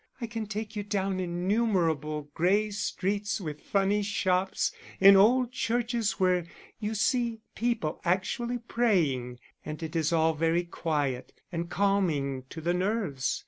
I can take you down innumerable gray streets with funny shops, in old churches where you see people actually praying; and it is all very quiet and calming to the nerves.